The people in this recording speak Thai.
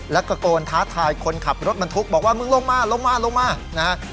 และตะโกนท้าทายคนขับรถบรรทุกบอกว่ามึงลงมาลงมาลงมานะฮะ